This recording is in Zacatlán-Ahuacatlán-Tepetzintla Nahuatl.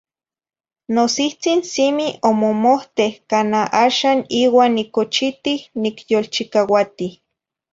Nosihtzin simi omomohte, cana axan iuan nicochiti, nicyolchicauati.